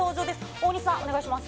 大西さん、お願いします。